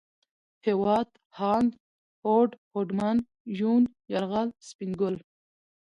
هېواد ، هاند ، هوډ ، هوډمن ، يون ، يرغل ، سپين ګل